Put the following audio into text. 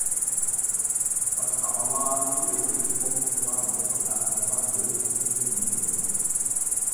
باشقا ئالاھىدە ئۆزگىرىش بولمىسىلا بۇ خىل ئەھۋاللار ئۆزلۈكىدىن يوقىلىدۇ.